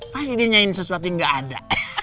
pasti dia nyain sesuatu yang gak ada